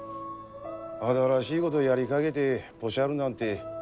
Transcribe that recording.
新しいごどやりかげでポシャるなんて